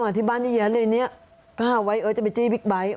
ที่บ้านเยอะแยะเลยเนี่ยกล้าไว้เออจะไปจี้บิ๊กไบท์